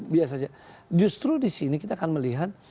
biasa saja justru di sini kita akan melihat